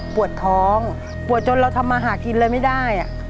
ปวดท้องปวดจนเราทำมาหากินเลยไม่ได้